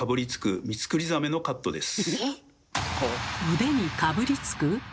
腕にかぶりつく？